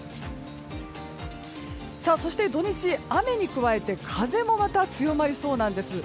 そして土日、雨に加えて風もまた強まりそうです。